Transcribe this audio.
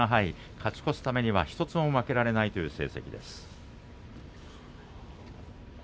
勝ち越すためには１つも負けられないという成績です。